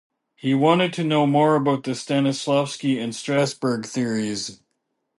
He wanted to know about the Stanislavski and Strasberg theories.